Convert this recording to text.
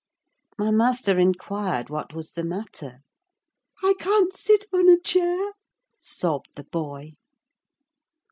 My master inquired what was the matter. "I can't sit on a chair," sobbed the boy.